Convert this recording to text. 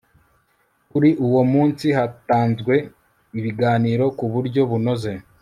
kuri uwo munsi hatanzwe ibiganiro ku buryo bunoze